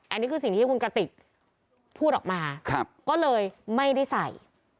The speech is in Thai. อันนี้คือสิ่งที่คุณกระติกพูดออกมาก็เลยไม่ได้ใส่